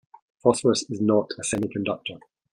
Phosphorus is not a semiconductor.